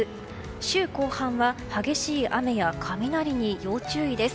週後半は、激しい雨や雷に要注意です。